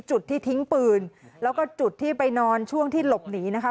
จุดที่ทิ้งปืนแล้วก็จุดที่ไปนอนช่วงที่หลบหนีนะคะ